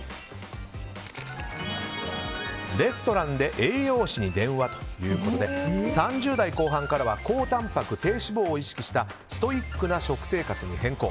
レストランで栄養士に電話ということで３０代後半からは高タンパク低脂肪を意識したストイックな食生活に変更。